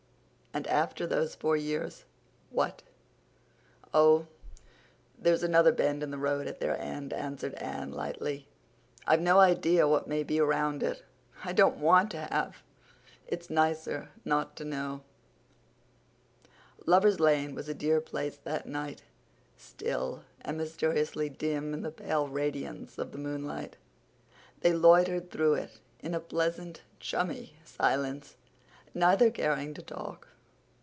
"And after those four years—what?" "Oh, there's another bend in the road at their end," answered Anne lightly. "I've no idea what may be around it—I don't want to have. It's nicer not to know." Lover's Lane was a dear place that night, still and mysteriously dim in the pale radiance of the moonlight. They loitered through it in a pleasant chummy silence, neither caring to talk.